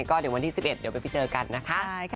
ก็เดี๋ยววันที่๑๑เดี๋ยวไปเจอกันนะคะ